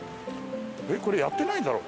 これやってないだろ。